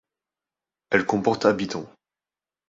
Elle comporte habitants.